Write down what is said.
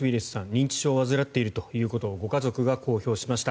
認知症を患っているということをご家族が公表しました。